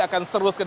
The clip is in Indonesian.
akan seru sekali